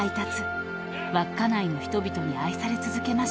［稚内の人々に愛され続けました］